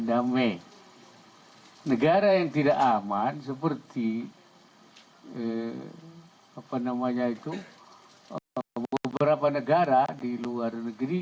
damai negara yang tidak aman seperti apa namanya itu beberapa negara di luar negeri